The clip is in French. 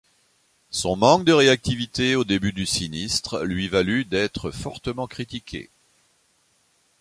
Son manque de réactivité au début du sinistre lui valut d'être fortement critiqué.